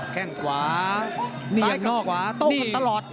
แค่งขวาซ้ายกับขวาโต้คันตลอด